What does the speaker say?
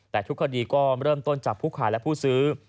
แต่ทุกคดีก็เริ่มต้นจากผู้ขายและผู้ซื้อ